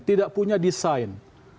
tidak punya desain